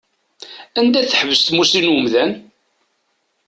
Anda tḥebbes tmusni n umdan?